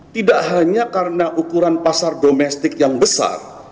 tidak hanya karena ukuran pasar domestik yang besar